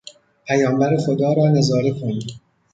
پیامبر خدا را نظاره کن!